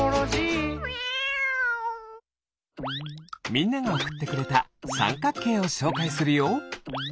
みんながおくってくれたさんかくけいをしょうかいするよ。